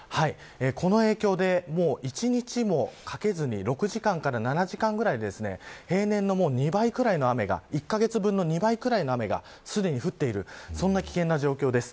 この影響で１日もかけずに６時間から７時間ぐらいで平年の２倍くらいの雨が１カ月分の２倍くらいの雨がすでに降っているそんな危険な状況です。